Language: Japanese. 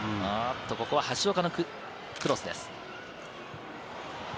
ここは橋岡のクロスです。